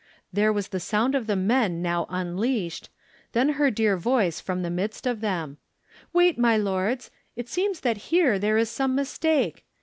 There was the sound of the men now unleashed, then her dear voice from the midst of them: "Wait, my lords. It seems that here there is some mistake.